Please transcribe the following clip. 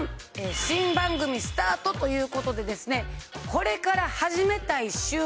新番組スタートということでですね。